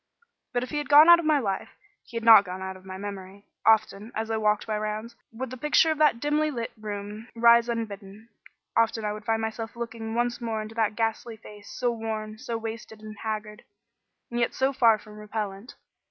But if he had gone out of my life, he had not gone out of my memory. Often, as I walked my rounds, would the picture of that dimly lit room rise unbidden. Often would I find myself looking once more into that ghastly face, so worn, so wasted and haggard, and yet so far from repellent.